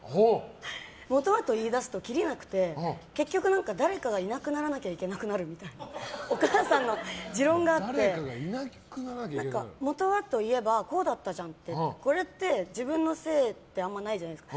もとはと言い出すときりがなくて結局、誰かがいなくならなきゃいけなくなるみたいなお母さんの持論があってもとはといえばこうだったじゃんってこれって自分のせいってあまりないじゃないですか。